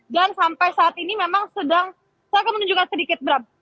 dan sampai saat ini memang sedang saya akan menunjukkan sedikit bram